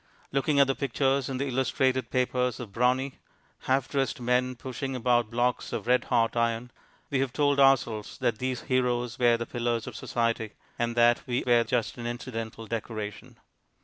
Looking at the pictures in the illustrated papers of brawny, half dressed men pushing about blocks of red hot iron, we have told ourselves that these heroes were the pillars of society, and that we were just an incidental decoration.